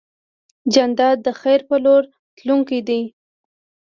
جانداد د خیر په لور تلونکی دی.